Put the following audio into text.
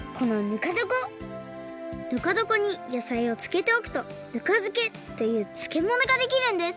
ぬかどこにやさいをつけておくとぬかづけというつけものができるんです。